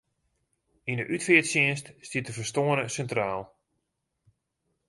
Yn de útfearttsjinst stiet de ferstoarne sintraal.